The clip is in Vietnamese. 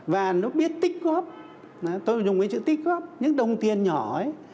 và nó biết tích góp tôi dùng cái chữ tích góp những đồng tiền nhỏ ấy